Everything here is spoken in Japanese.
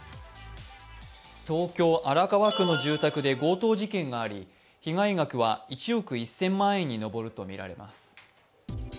東京・荒川区の住宅で強盗事件があり被害額は１億１０００万円に上るとみられます。